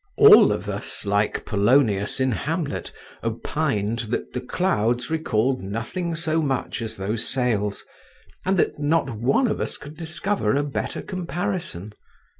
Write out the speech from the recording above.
All of us, like Polonius in Hamlet, opined that the clouds recalled nothing so much as those sails, and that not one of us could discover a better comparison.